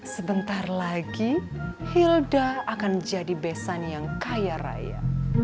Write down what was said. sebentar lagi hilda akan jadi besan yang kaya raya